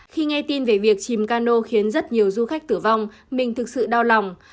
khi nghe tin về việc chìm cano khiến rất nhiều du khách tử vong mình thực sự đau lòng